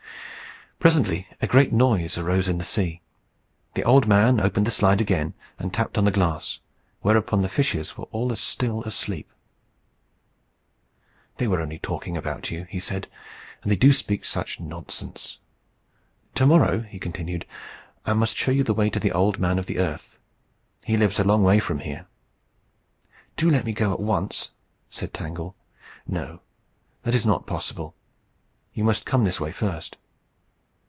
Presently a great noise arose in the sea. The old man opened the slide again, and tapped on the glass, whereupon the fishes were all as still as sleep. "They were only talking about you," he said. "And they do speak such nonsense! To morrow," he continued, "I must show you the way to the Old Man of the Earth. He lives a long way from here." "Do let me go at once," said Tangle. "No. That is not possible. You must come this way first."